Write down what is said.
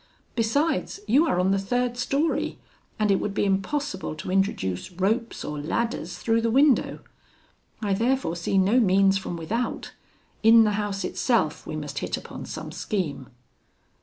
Besides, you are on the third story, and it would be impossible to introduce ropes or ladders through the window. I therefore see no means from without in the house itself we must hit upon some scheme.'